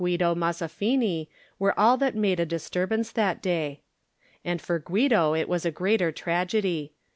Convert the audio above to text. He and a yoimg Coimt Guido Mazzafini were all that made a disturbance that day. And for Guido it was a greater tragedy.